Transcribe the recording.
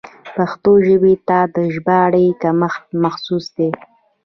پښتو ژبې ته د ژباړې کمښت محسوس دی.